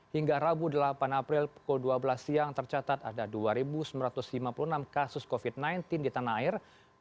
hingga rabu delapan april pukul dua belas siang tercatat ada dua sembilan ratus lima puluh enam kasus covid sembilan belas di tanah air